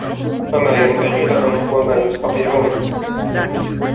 وَمَا يَنْبَغِي لَهُمْ وَمَا يَسْتَطِيعُونَ